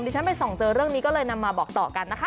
ที่ฉันไปส่องเจอเรื่องนี้ก็เลยนำมาบอกต่อกันนะคะ